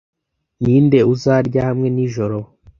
Ninde uzarya hamwe nijoro?